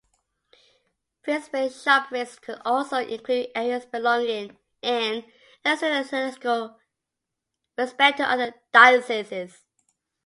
Prince-bishoprics could also include areas belonging in ecclesiastical respect to other dioceses.